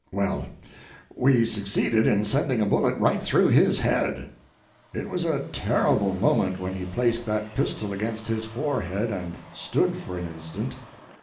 Well, we succeeded in sending a bullet right through his head. It was a terrible moment when he placed that pistol against his forehead and stood for an instant.